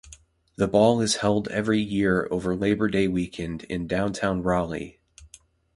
The ball is held every year over Labor Day weekend in downtown Raleigh.